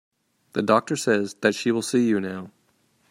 The doctor says that she will see you now.